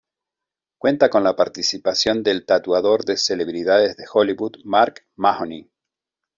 Cuenta con la participación del tatuador de celebridades de Hollywood, Mark Mahoney.